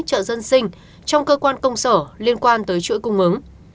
chợ dân sinh trong cơ quan công sở liên quan tới chuỗi cung ứng